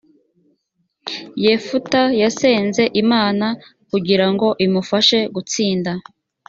yefuta yasenze imana kugira ngo imufashe gutsinda